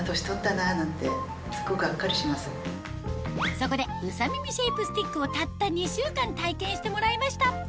そこでＵＳＡＭＩＭＩシェイプスティックをたった２週間体験してもらいました